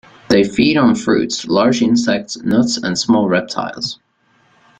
They feed on fruits, large insects, nuts and small reptiles.